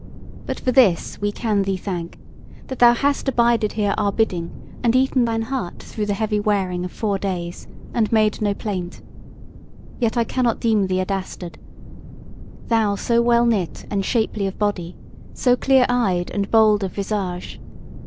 But for this we can thee thank, that thou hast abided here our bidding and eaten thine heart through the heavy wearing of four days, and made no plaint. Yet I cannot deem thee a dastard; thou so well knit and shapely of body, so clear eyed and bold of visage.